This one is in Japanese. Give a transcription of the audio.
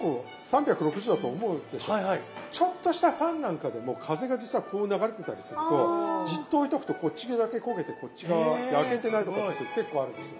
ちょっとしたファンなんかでも風が実はこう流れてたりするとじっと置いとくとこっちだけ焦げてこっち側焼けてないってことが結構あるんですよ。